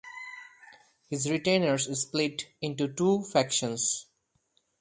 His retainers split into two factions.